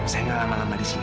saya gak lama lama disini